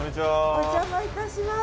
お邪魔いたします。